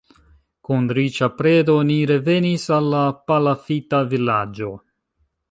Kun riĉa predo ni revenis al la palafita vilaĝo.